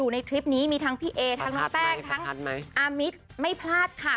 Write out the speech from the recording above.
ในคลิปนี้มีทั้งพี่เอทั้งน้องแป้งทั้งอามิตไม่พลาดค่ะ